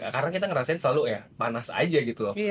karena kita ngerasain selalu ya panas aja gitu loh